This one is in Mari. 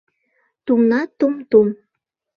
Тумна, тум-тум